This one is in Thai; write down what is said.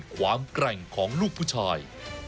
แกร่งของลูกผู้ชาย